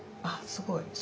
あっすごい。